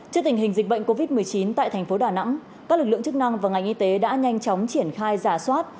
trước tình hình dịch bệnh covid một mươi chín tại thành phố đà nẵng các lực lượng chức năng và ngành y tế đã nhanh chóng triển khai giả soát